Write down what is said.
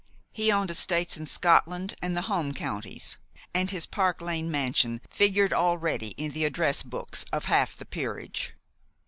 He owned estates in Scotland and the home counties, and his Park Lane mansion figured already in the address books of half the peerage.